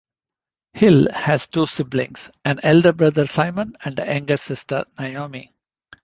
Hill has two siblings, an elder brother Simon and a younger sister Naomi.